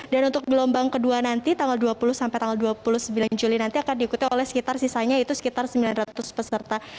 dan untuk gelombang kedua nanti tanggal dua puluh sampai tanggal dua puluh sembilan juli nanti akan diikuti oleh sekitar sisanya yaitu sekitar sembilan ratus peserta